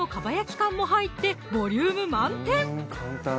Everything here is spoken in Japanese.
缶も入ってボリューム満点！